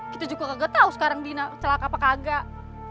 kita juga gak tahu sekarang dina celaka apa kagak